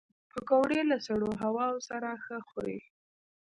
پکورې له سړو هواوو سره ښه خوري